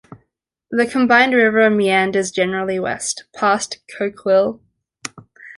The combined river meanders generally west, past Coquille.